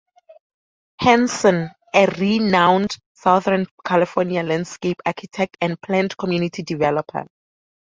Hanson, a renowned Southern California landscape architect and planned community developer.